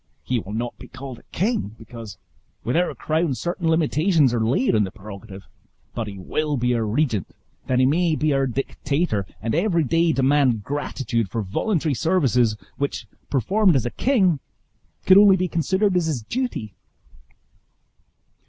He will not be called a king; because, with our own crown certain limitations are laid on the prerogative; but he will be our regent, that he may be our dictator, and every day demand gratitude for voluntary services, which, performed as a king, could only be considered as his duty!"